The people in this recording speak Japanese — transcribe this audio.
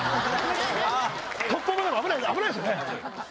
突破も何も危ないですよね。